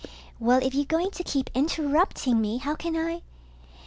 Well, if you're going to keep interrupting me, how can I